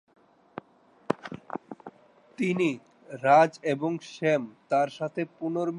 তিনি, রাজ এবং স্যাম তার সাথে পুনর্মিলন করতে জোসেফের বাড়িতে যান।